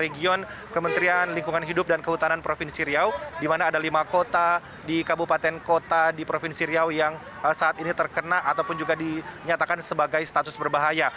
region kementerian lingkungan hidup dan kehutanan provinsi riau di mana ada lima kota di kabupaten kota di provinsi riau yang saat ini terkena ataupun juga dinyatakan sebagai status berbahaya